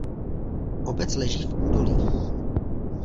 Obec leží v údolí.